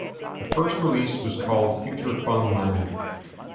The first release was called Future Fun-Land.